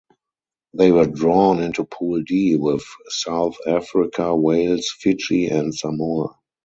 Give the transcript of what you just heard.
They were drawn into Pool D, with South Africa, Wales, Fiji and Samoa.